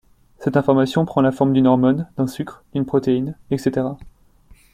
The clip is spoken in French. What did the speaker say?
Cette information prend la forme d'une hormone, d'un sucre, d'une protéine, etc.